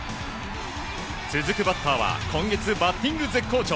続くバッターは今月バッティング絶好調